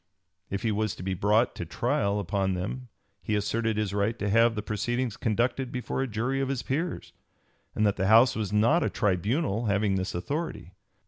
If he was to be brought to trial upon them he asserted his right to have the proceedings conducted before a jury of his peers, and that the House was not a tribunal having this authority.